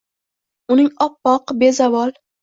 Uning oppoq, bezavol